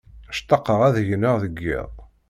Ctaqeɣ ad gneɣ deg yiḍ.